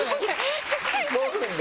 ５分で？